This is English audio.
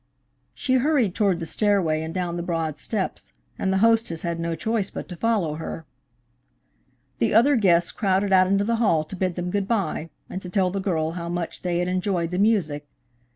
She hurried toward the stairway and down the broad steps, and the hostess had no choice but to follow her. The other guests crowded out into the hall to bid them good by and to tell the girl how much they had enjoyed the music.